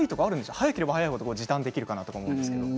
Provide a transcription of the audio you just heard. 早ければ早い程実感できるかなと思うんですけれども。